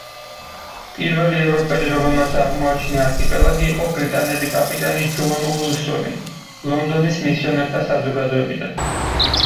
პირველი ევროპელი, რომელმაც აღმოაჩინა არქიპელაგი იყო ბრიტანელი კაპიტანი ჯონ უილსონი ლონდონის მისიონერთა საზოგადოებიდან.